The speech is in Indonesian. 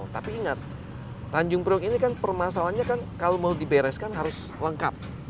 tapi ingat tanjung priuk ini kan permasalahannya kan kalau mau dibereskan harus lengkap